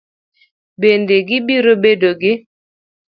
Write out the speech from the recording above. Bende gibiro bedo gi